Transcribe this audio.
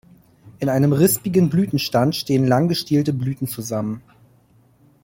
In einem rispigen Blütenstand stehen lang gestielte Blüten zusammen.